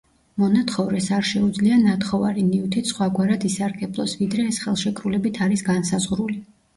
მონათხოვრეს არ შეუძლია ნათხოვარი ნივთით სხვაგვარად ისარგებლოს, ვიდრე ეს ხელშეკრულებით არის განსაზღვრული.